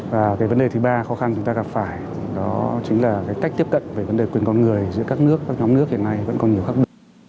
và cái vấn đề thứ ba khó khăn chúng ta gặp phải đó chính là cái cách tiếp cận về vấn đề quyền con người giữa các nước các nhóm nước hiện nay vẫn còn nhiều khác biệt